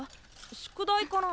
宿題かな？